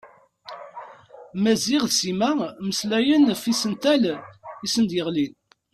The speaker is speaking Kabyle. Maziɣ d Sima mmeslayen ɣef yisental i asen-d-yeɣlin.